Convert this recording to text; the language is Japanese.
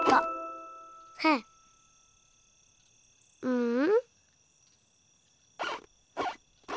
うん？